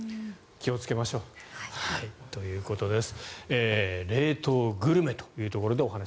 気をつけましょうということです。